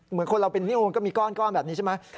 เหมือนคนเราเป็นนิ้วมันก็มีก้อนแบบนี้ใช่ไหม